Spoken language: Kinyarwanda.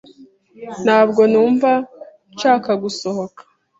Ntabwo numva nshaka gusohoka